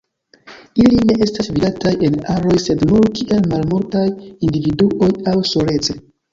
Ili ne estas vidataj en aroj, sed nur kiel malmultaj individuoj aŭ solece.